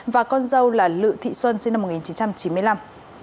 và con dâu là lự thị xuân sinh năm một nghìn chín trăm chín mươi năm